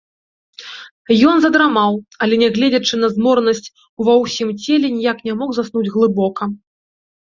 Ён задрамаў, але, нягледзячы на зморанасць ува ўсім целе, ніяк не мог заснуць глыбока.